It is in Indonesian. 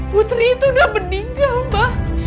putri itu udah meninggal pak